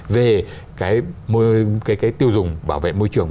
về cái tiêu dùng bảo vệ môi trường